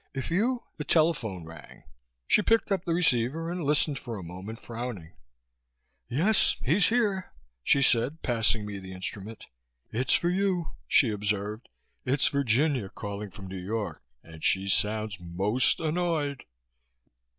"If you...." The telephone rang. She picked up the receiver and listened for a moment, frowning. "Yes, he's here," she said, passing me the instrument. "It's for you," she observed. "It's Virginia calling from New York and she sounds most annoyed."